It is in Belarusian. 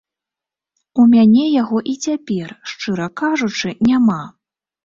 У мяне яго і цяпер, шчыра кажучы, няма.